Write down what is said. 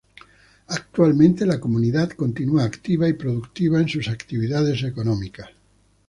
Actualmente, la comunidad continúa activa y productiva en sus actividades económicas.